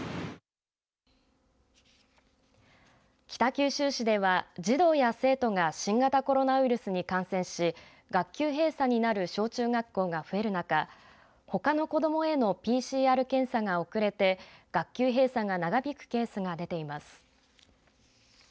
北九州市では児童や生徒が新型コロナウイルスに感染し学級閉鎖になる小中学校が増える中ほかの子どもへのＰＣＲ検査が遅れて学級閉鎖が長引くケースが出ています。